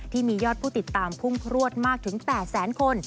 ที่มียอดผู้ติดตามพุ่งพลวดมากถึง๘แสนคน